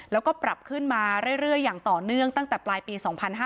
แล้วก็ปรับขึ้นมาเรื่อยอย่างต่อเนื่องตั้งแต่ปลายปี๒๕๕๙